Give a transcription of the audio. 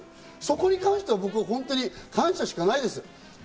そこに関しては感謝しかないです。